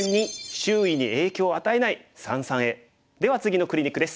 では次のクリニックです。